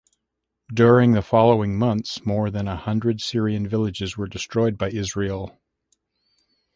During the following months, more than a hundred Syrian villages were destroyed by Israel.